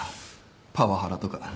パワハラとか。